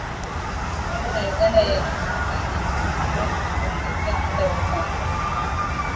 Kongo na Uganda yalitia saini Juni mosi kuongeza muda wa operesheni zao